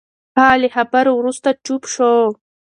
هغه له خبرو وروسته چوپ شو.